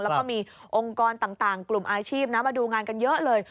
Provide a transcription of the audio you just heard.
แล้วก็มีองค์กรต่างกลุ่มอาชีพมาดูงานกันเยอะเลย